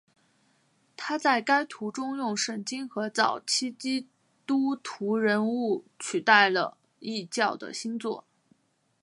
他在该图中用圣经和早期基督徒人物取代了异教的星座。